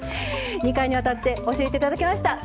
２回にわたって教えて頂きました。